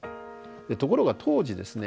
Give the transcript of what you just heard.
ところが当時ですね